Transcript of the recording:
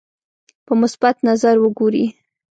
په مثبت نظر وګوري.